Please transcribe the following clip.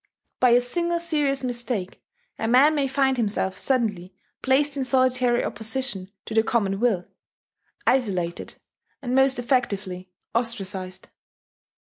By a single serious mistake a man may find himself suddenly placed in solitary opposition to the common will, isolated, and most effectively ostracized.